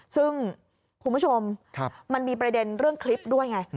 ซึ่งคุณผู้ชมมันมีประเด็นเรื่องคลิปด้วยไง